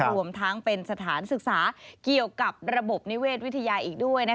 รวมทั้งเป็นสถานศึกษาเกี่ยวกับระบบนิเวศวิทยาอีกด้วย